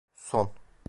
Son.